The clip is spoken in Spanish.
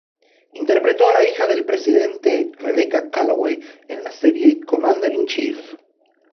Interpretó a la hija del presidente, Rebecca Calloway, en la serie "Commander in Chief".